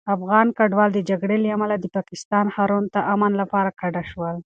افغان کډوال د جګړې له امله د پاکستان ښارونو ته امن لپاره کډه شول.